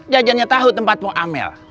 jajannya tahu tempat mau amel